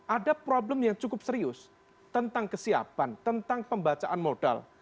ada problem yang cukup serius tentang kesiapan tentang pembacaan modal